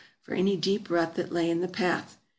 for any deep rut that lay in the path.